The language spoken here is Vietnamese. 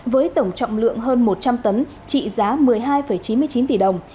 với tổng trọng lượng hơn một trăm linh tấn trị giá một mươi hai chín mươi chín tỷ đồng